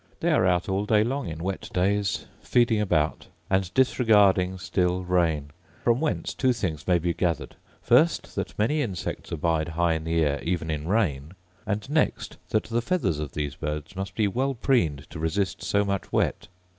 They are out all day long in wet days, feeding about, and disregarding still rain: from whence two things may be gathered; first, that many insects abide high in the air, even in rain; and next, that the feathers of these birds must be well preened to resist so much wet.